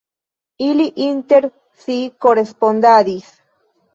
Ili inter si korespondadis.